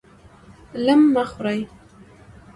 لم مه خورئ!